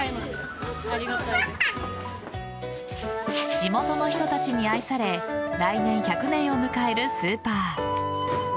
地元の人たちに愛され来年、１００年を迎えるスーパー。